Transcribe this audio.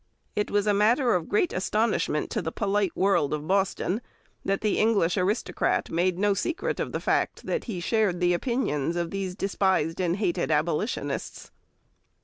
It was a matter of great astonishment to the polite world of Boston that the English aristocrat made no secret of the fact that he shared the opinions of the despised and hated Abolitionists.